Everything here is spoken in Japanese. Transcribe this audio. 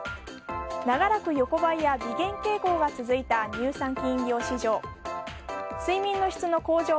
長らく横ばいや微減傾向が続いた乳酸菌飲料市場。